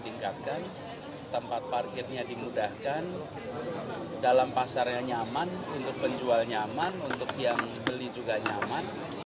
ditingkatkan tempat parkirnya dimudahkan dalam pasarnya nyaman untuk penjual nyaman untuk yang beli juga nyaman